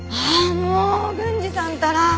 もう郡司さんったら。